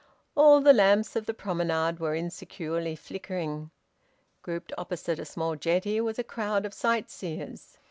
All the lamps of the promenade were insecurely flickering. Grouped opposite a small jetty was a crowd of sightseers.